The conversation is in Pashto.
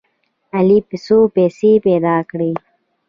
علي څو پیسې پیدا کړې.